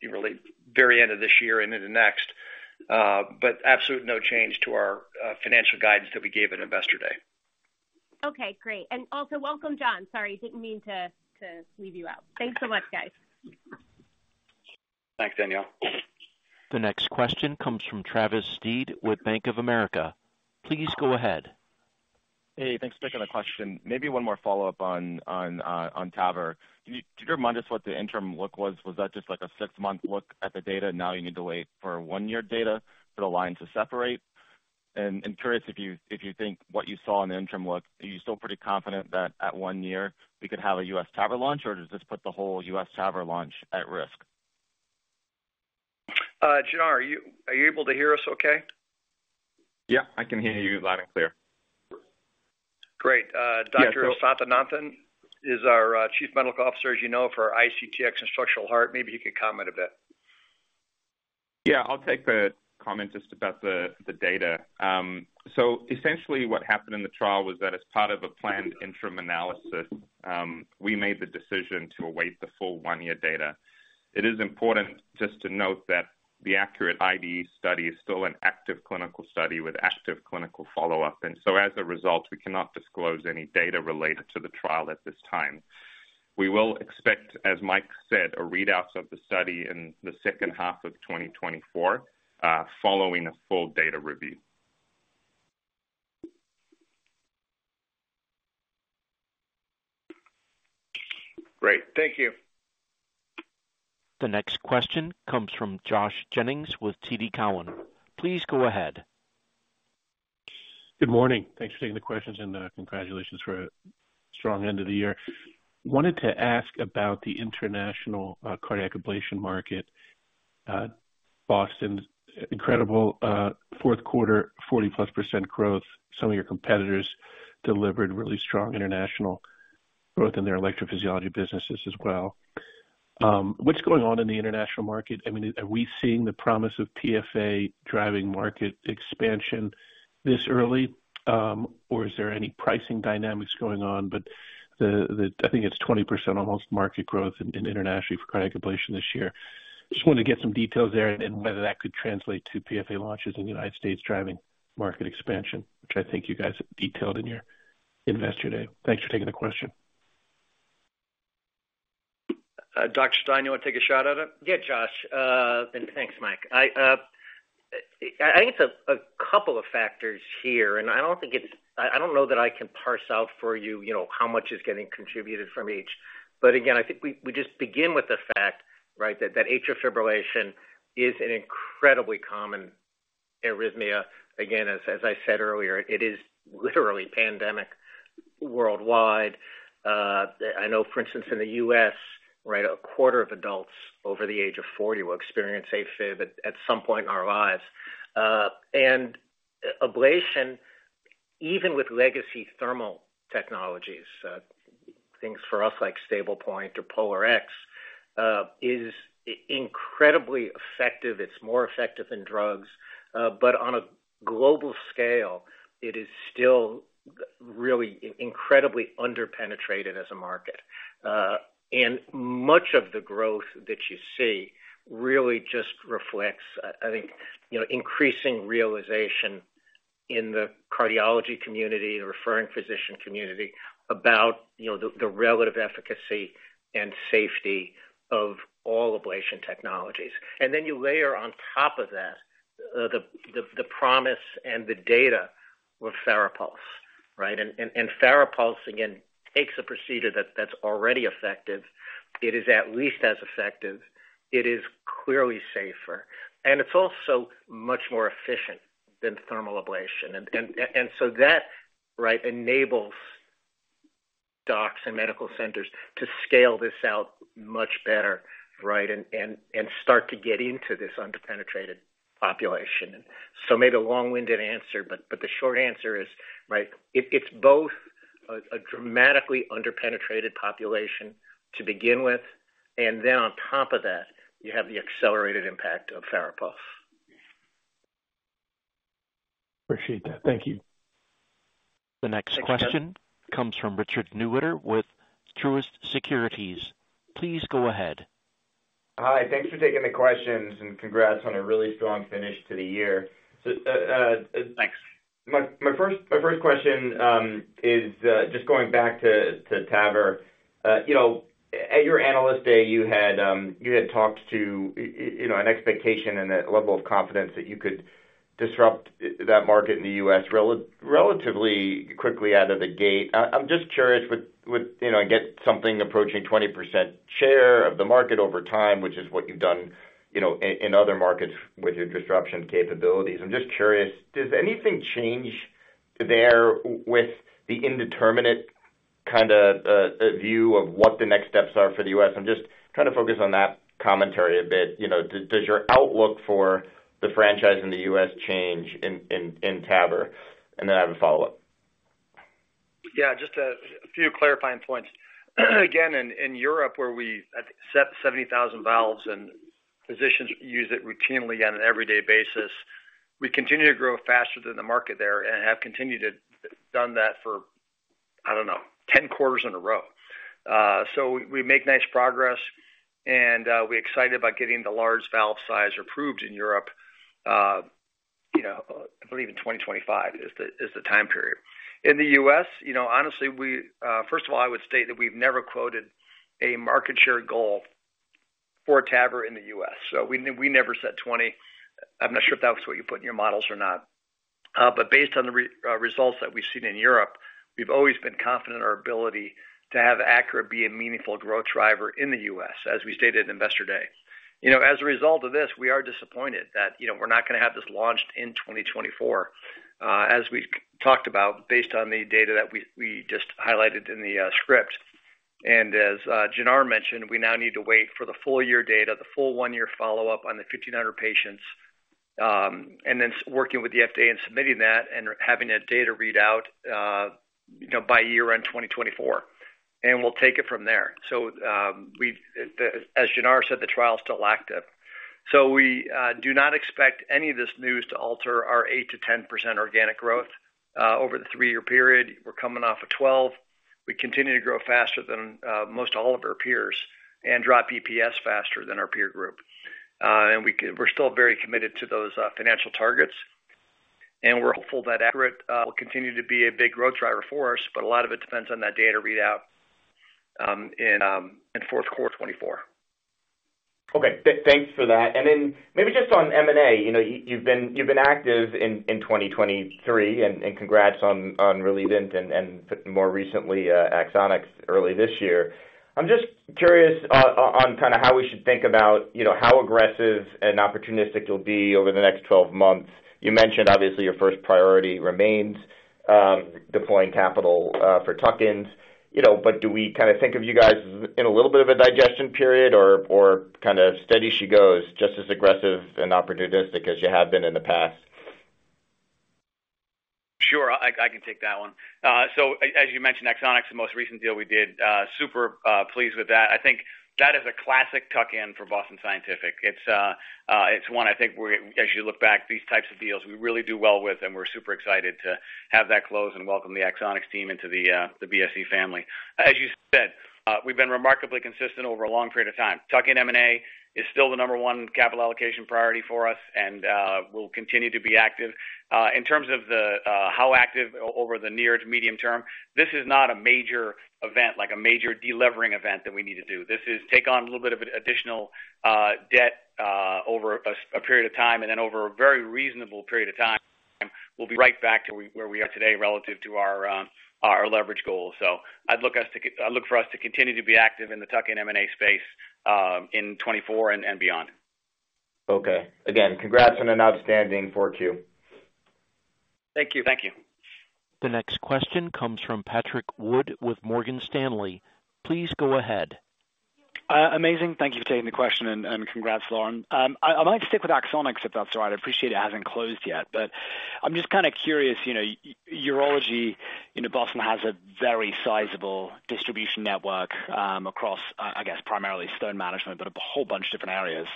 really very end of this year into the next. But absolutely no change to our financial guidance that we gave at Investor Day. Okay, great. And also, welcome, Jon. Sorry, didn't mean to, to leave you out. Thanks so much, guys. Thanks, Danielle. The next question comes from Travis Steed with Bank of America. Please go ahead. Hey, thanks for taking the question. Maybe one more follow-up on TAVR. Could you remind us what the interim look was? Was that just like a six-month look at the data, and now you need to wait for one-year data for the line to separate? And I'm curious if you think what you saw in the interim look, are you still pretty confident that at one year we could have a U.S. TAVR launch, or does this put the whole U.S. TAVR launch at risk? [Travis], are you, are you able to hear us okay? Yeah, I can hear you loud and clear. Great. Yeah. Dr. Sathananthan is our Chief Medical Officer, as you know, for ICTx and structural heart. Maybe he could comment a bit. Yeah, I'll take the comment just about the data. So essentially what happened in the trial was that as part of a planned interim analysis, we made the decision to await the full one-year data. It is important just to note that the ACURATE IDE study is still an active clinical study with active clinical follow-up, and so as a result, we cannot disclose any data related to the trial at this time. We will expect, as Mike said, a readout of the study in the second half of 2024, following a full data review. Great. Thank you. The next question comes from Josh Jennings with TD Cowen. Please go ahead. Good morning. Thanks for taking the questions, and, congratulations for a strong end of the year. Wanted to ask about the international cardiac ablation market... Boston incredible fourth quarter 40%+ growth. Some of your competitors delivered really strong international growth in their Electrophysiology businesses as well. What's going on in the international market? I mean, are we seeing the promise of PFA driving market expansion this early, or is there any pricing dynamics going on? But I think it's almost 20% market growth internationally for cardiac ablation this year. Just wanted to get some details there and whether that could translate to PFA launches in the United States, driving market expansion, which I think you guys have detailed in your investor day. Thanks for taking the question. Dr. Stein, you want to take a shot at it? Yeah, Josh, and thanks, Mike. I think it's a couple of factors here, and I don't think it's... I don't know that I can parse out for you, you know, how much is getting contributed from each. But again, I think we just begin with the fact, right, that atrial fibrillation is an incredibly common arrhythmia. Again, as I said earlier, it is literally pandemic worldwide. I know, for instance, in the US, right, a quarter of adults over the age of 40 will experience AFib at some point in our lives. And ablation, even with legacy thermal technologies, things for us like StablePoint or POLARx, is incredibly effective. It's more effective than drugs, but on a global scale, it is still really incredibly underpenetrated as a market. And much of the growth that you see really just reflects, I think, you know, increasing realization in the cardiology community, the referring physician community, about, you know, the relative efficacy and safety of all ablation technologies. And then you layer on top of that, the promise and the data with FARAPULSE, right? And FARAPULSE, again, takes a procedure that's already effective. It is at least as effective, it is clearly safer, and it's also much more efficient than thermal ablation. And so that, right, enables docs and medical centers to scale this out much better, right? And start to get into this underpenetrated population. Maybe a long-winded answer, but the short answer is, right, it's both a dramatically underpenetrated population to begin with, and then on top of that, you have the accelerated impact of FARAPULSE. Appreciate that. Thank you. The next question comes from Richard Newitter with Truist Securities. Please go ahead. Hi, thanks for taking the questions, and congrats on a really strong finish to the year. So, thanks. My first question is just going back to TAVR. You know, at your Analyst Day, you had talked to you know, an expectation and a level of confidence that you could disrupt that market in the US relatively quickly out of the gate. I'm just curious, with you know, I get something approaching 20% share of the market over time, which is what you've done, you know, in other markets with your disruption capabilities. I'm just curious, does anything change there with the indeterminate kinda view of what the next steps are for the US? I'm just trying to focus on that commentary a bit. You know, does your outlook for the franchise in the US change in TAVR? And then I have a follow-up. Yeah, just a few clarifying points. Again, in Europe, where we've set 70,000 valves and physicians use it routinely on an everyday basis, we continue to grow faster than the market there and have continued to done that for, I don't know, 10 quarters in a row. So we make nice progress, and we're excited about getting the large valve size approved in Europe, you know, I believe in 2025 is the time period. In the U.S., you know, honestly, first of all, I would state that we've never quoted a market share goal for TAVR in the U.S., so we never said 20. I'm not sure if that was what you put in your models or not. But based on the results that we've seen in Europe, we've always been confident in our ability to have ACURATE be a meaningful growth driver in the U.S., as we stated in Investor Day. You know, as a result of this, we are disappointed that, you know, we're not gonna have this launched in 2024, as we talked about, based on the data that we just highlighted in the script. And as Janar mentioned, we now need to wait for the full-year data, the full one-year follow-up on the 1,500 patients, and then working with the FDA and submitting that and having that data read out, you know, by year-end 2024. And we'll take it from there. So, as Janar said, the trial is still active. So we do not expect any of this news to alter our 8%-10% organic growth over the three-year period. We're coming off of 12. We continue to grow faster than most all of our peers and drop EPS faster than our peer group. And we're still very committed to those financial targets, and we're hopeful that ACURATE will continue to be a big growth driver for us, but a lot of it depends on that data readout in fourth quarter 2024. Okay, thanks for that. Then maybe just on M&A, you know, you've been active in 2023, and congrats on Relievant and, more recently, Axonics early this year. I'm just curious, on kinda how we should think about, you know, how aggressive and opportunistic you'll be over the next 12 months. You mentioned obviously, your first priority remains deploying capital for tuck-ins, you know, but do we kinda think of you guys as in a little bit of a digestion period or kinda steady she goes, just as aggressive and opportunistic as you have been in the past?... Sure, I can take that one. So as you mentioned, Axonics, the most recent deal we did, super pleased with that. I think that is a classic tuck-in for Boston Scientific. It's one I think we're—as you look back, these types of deals, we really do well with, and we're super excited to have that close and welcome the Axonics team into the BSC family. As you said, we've been remarkably consistent over a long period of time. Tuck-in M&A is still the number one capital allocation priority for us, and we'll continue to be active. In terms of the how active over the near to medium term, this is not a major event, like a major de-levering event that we need to do. This is take on a little bit of additional debt over a period of time, and then over a very reasonable period of time, we'll be right back to where we are today relative to our leverage goal. So I'd look for us to continue to be active in the tuck-in M&A space in 2024 and beyond. Okay. Again, congrats on an outstanding Q4. Thank you. Thank you. The next question comes from Patrick Wood with Morgan Stanley. Please go ahead. Amazing. Thank you for taking the question, and congrats, Lauren. I'd like to stick with Axonics, if that's all right. I appreciate it hasn't closed yet, but I'm just kind of curious, you know, Urology in Boston has a very sizable distribution network, across, I guess, primarily stone management, but a whole bunch of different areas.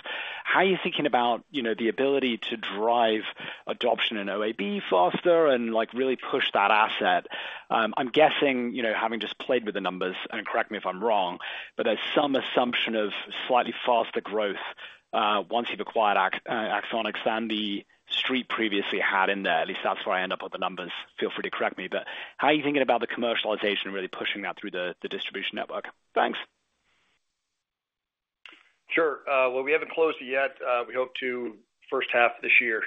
How are you thinking about, you know, the ability to drive adoption in OAB faster and, like, really push that asset? I'm guessing, you know, having just played with the numbers, and correct me if I'm wrong, but there's some assumption of slightly faster growth, once you've acquired Axonics than the Street previously had in there. At least that's where I end up with the numbers. Feel free to correct me, but how are you thinking about the commercialization, really pushing that through the distribution network? Thanks. Sure. Well, we haven't closed it yet. We hope to first half of this year.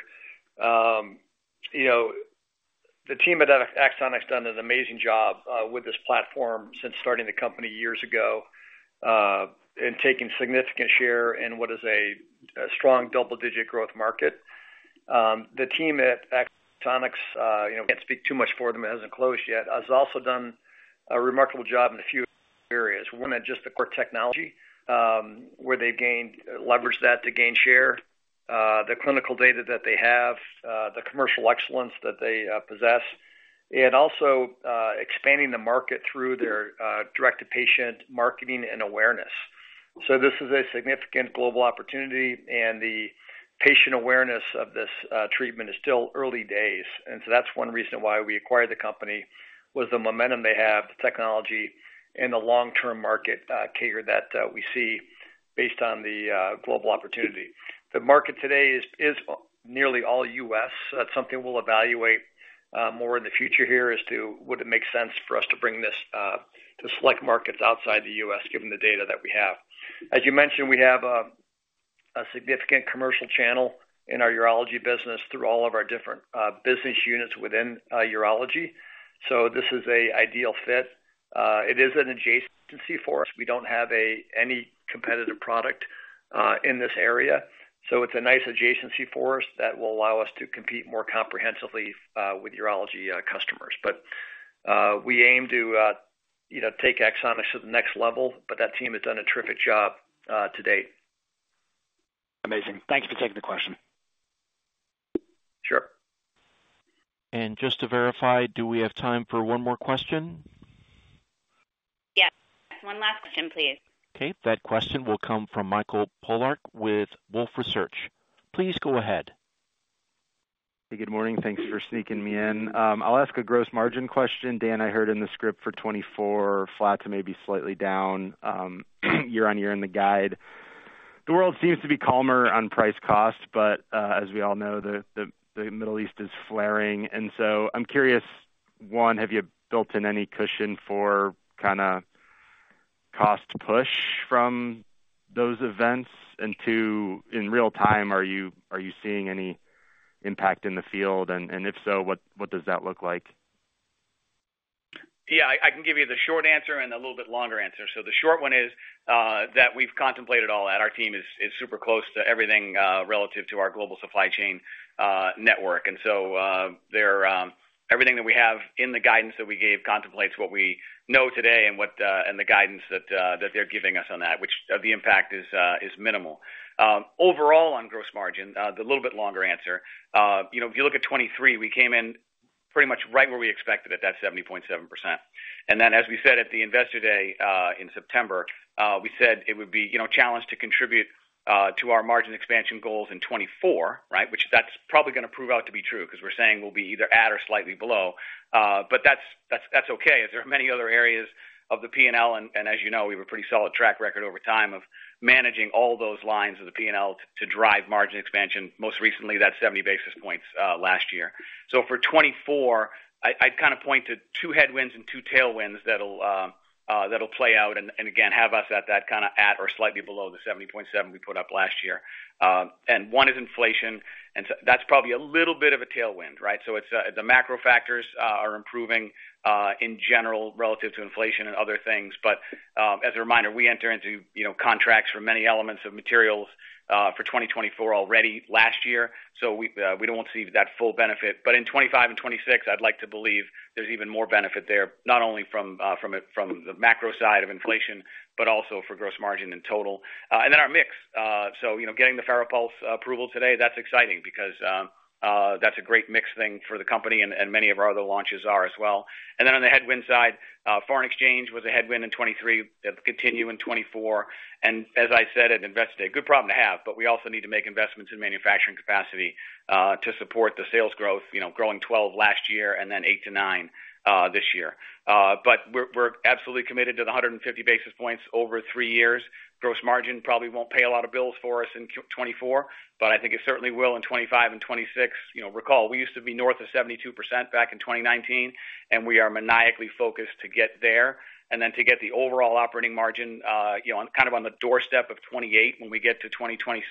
You know, the team at Axonics has done an amazing job with this platform since starting the company years ago and taking significant share in what is a strong double-digit growth market. The team at Axonics, you know, can't speak too much for them, it hasn't closed yet, has also done a remarkable job in a few areas. One is just the core technology, where they gained leverage that to gain share, the clinical data that they have, the commercial excellence that they possess, and also expanding the market through their direct-to-patient marketing and awareness. So this is a significant global opportunity, and the patient awareness of this treatment is still early days. That's one reason why we acquired the company, the momentum they have, the technology and the long-term market we see based on the global opportunity. The market today is nearly all U.S. That's something we'll evaluate more in the future here as to would it make sense for us to bring this to select markets outside the U.S., given the data that we have. As you mentioned, we have a significant commercial channel in our Urology business through all of our different business units within Urology. So this is an ideal fit. It is an adjacency for us. We don't have any competitive product in this area, so it's a nice adjacency for us that will allow us to compete more comprehensively with Urology customers. But, we aim to, you know, take Axonics to the next level, but that team has done a terrific job, to date. Amazing. Thanks for taking the question. Sure. Just to verify, do we have time for one more question? Yes. One last question, please. Okay. That question will come from Michael Polark with Wolfe Research. Please go ahead. Hey, good morning. Thanks for sneaking me in. I'll ask a gross margin question. Dan, I heard in the script for 2024, flat to maybe slightly down, year on year in the guide. The world seems to be calmer on price cost, but, as we all know, the Middle East is flaring. And so I'm curious, one, have you built in any cushion for kind of cost push from those events? And two, in real time, are you seeing any impact in the field? And if so, what does that look like? Yeah, I can give you the short answer and a little bit longer answer. So the short one is that we've contemplated all that. Our team is super close to everything relative to our global supply chain network. And so, they're everything that we have in the guidance that we gave contemplates what we know today and what and the guidance that that they're giving us on that, which the impact is is minimal. Overall, on gross margin, the little bit longer answer, you know, if you look at 2023, we came in pretty much right where we expected at that 70.7%. As we said at the Investor Day in September, we said it would be, you know, challenged to contribute to our margin expansion goals in 2024, right? Which that's probably gonna prove out to be true, because we're saying we'll be either at or slightly below. But that's okay. There are many other areas of the P&L, and as you know, we have a pretty solid track record over time of managing all those lines of the P&L to drive margin expansion, most recently, that 70 basis points last year. So for 2024, I'd kind of point to two headwinds and two tailwinds that'll play out and again, have us at that kind of at or slightly below the 70.7 we put up last year. And one is inflation, and so that's probably a little bit of a tailwind, right? So it's the macro factors are improving in general, relative to inflation and other things. But as a reminder, we enter into, you know, contracts for many elements of materials for 2024 already last year, so we don't see that full benefit. But in 2025 and 2026, I'd like to believe there's even more benefit there, not only from it, from the macro side of inflation, but also for gross margin in total. And then our mix. So, you know, getting the FARAPULSE approval today, that's exciting because that's a great mix thing for the company and many of our other launches are as well. And then on the headwind side, foreign exchange was a headwind in 2023, that continue in 2024. And as I said at Investor Day, good problem to have, but we also need to make investments in manufacturing capacity, to support the sales growth, you know, growing 12 last year and then 8-9, this year. But we're, we're absolutely committed to the 150 basis points over three years. Gross margin probably won't pay a lot of bills for us in Q1 2024, but I think it certainly will in 2025 and 2026. You know, recall, we used to be north of 72% back in 2019, and we are maniacally focused to get there and then to get the overall operating margin, you know, on kind of on the doorstep of 28% when we get to 2026,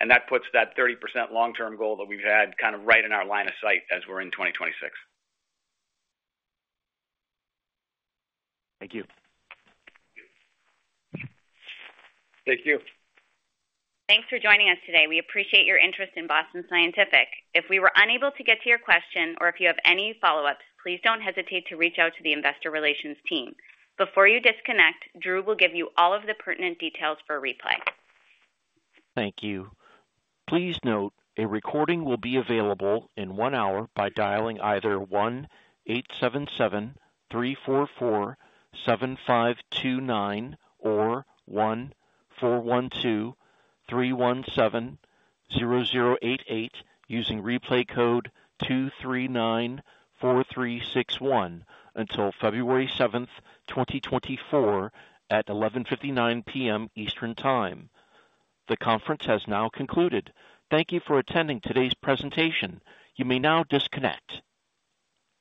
and that puts that 30% long-term goal that we've had kind of right in our line of sight as we're in 2026. Thank you. Thank you. Thanks for joining us today. We appreciate your interest in Boston Scientific. If we were unable to get to your question or if you have any follow-ups, please don't hesitate to reach out to the investor relations team. Before you disconnect, Drew will give you all of the pertinent details for replay. Thank you. Please note, a recording will be available in 1 hour by dialing either 1-877-344-7529 or 1-412-317-0088, using replay code 2394361, until February 7th, 2024 at 11:59 P.M. Eastern Time. The conference has now concluded. Thank you for attending today's presentation. You may now disconnect.